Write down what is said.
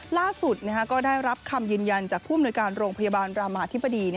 ล่าสุดก็ได้รับคำยืนยันจากผู้อำนวยการโรงพยาบาลรามาธิบดี